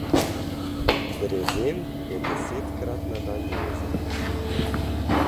Brezen je desetkrat na dan jezen.